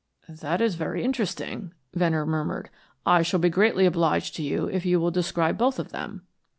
"This is very interesting," Venner murmured. "I shall be greatly obliged to you if you will describe both of them."